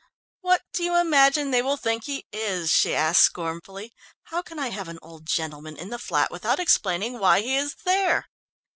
"What do you imagine they will think he is?" she asked scornfully. "How can I have an old gentleman in the flat without explaining why he is there?"